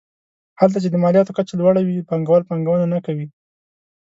هلته چې د مالیاتو کچه لوړه وي پانګوال پانګونه نه کوي.